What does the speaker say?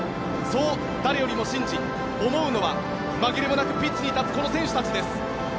そう誰よりも信じ思うのは紛れもなくこのピッチに立つこの選手たちです。